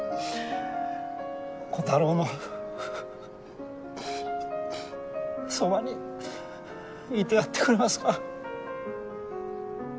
こたろうのそばにいてやってくれますか？